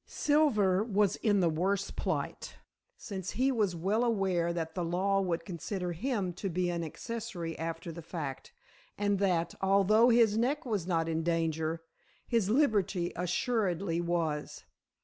Silver was in the worst plight, since he was well aware that the law would consider him to be an accessory after the fact, and that, although his neck was not in danger, his liberty assuredly was.